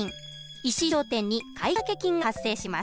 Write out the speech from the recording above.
石井商店に買掛金が発生します。